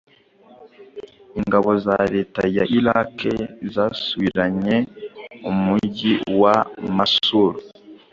ingabo za leta ya Iraq zasubiranye umujyi wa Mosul